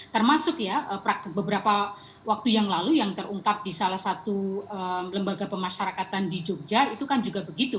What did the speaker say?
termasuk ya beberapa waktu yang lalu yang terungkap di salah satu lembaga pemasyarakatan di jogja itu kan juga begitu